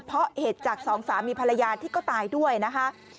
เพราะเหตุจากสองสามีภรรยาที่ก็ตายด้วยนะคะ